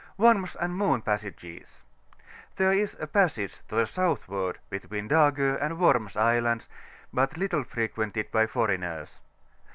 . WORMS Ain> MOON PASSAGES.— There is a passage to the southward between Dago and Worms Islands, but little frequented by foreigners.